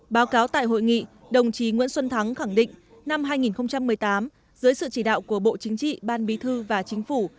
báo cáo tại hội nghị đồng chí nguyễn xuân thắng khẳng định năm hai nghìn một mươi tám dưới sự chỉ đạo của bộ chính trị ban bí thư và chính phủ